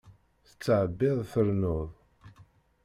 Tettɛebbiḍ trennuḍ.